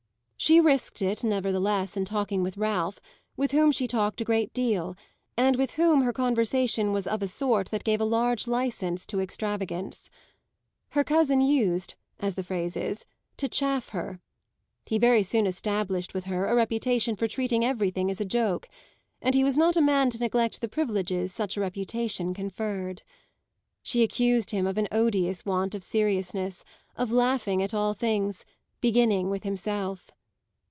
She risked it nevertheless in talking with Ralph, with whom she talked a great deal and with whom her conversation was of a sort that gave a large licence to extravagance. Her cousin used, as the phrase is, to chaff her; he very soon established with her a reputation for treating everything as a joke, and he was not a man to neglect the privileges such a reputation conferred. She accused him of an odious want of seriousness, of laughing at all things, beginning with himself.